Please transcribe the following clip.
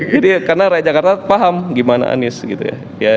iya karena rakyat jakarta paham gimana anies gitu ya